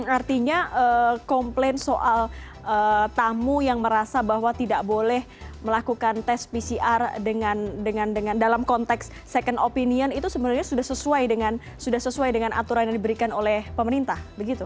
artinya komplain soal tamu yang merasa bahwa tidak boleh melakukan tes pcr dalam konteks second opinion itu sebenarnya sudah sesuai dengan aturan yang diberikan oleh pemerintah